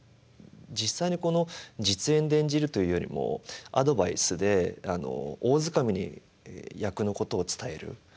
実際に実演で演じるというよりもアドバイスで大づかみに役のことを伝える。